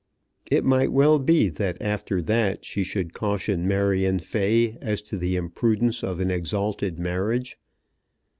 It might well be that after that she should caution Marion Fay as to the imprudence of an exalted marriage.